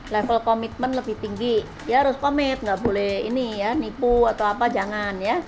level komitmen lebih tinggi dia harus komit tidak boleh nipu atau apa jangan